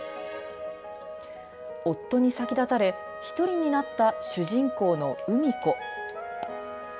夫に先立たれ１人になった主人公のうみ子。